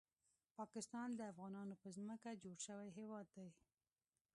پاکستان د افغانانو په ځمکه جوړ شوی هیواد دی